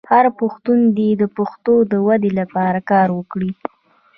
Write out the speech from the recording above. هر پښتون دې د پښتو د ودې لپاره کار وکړي.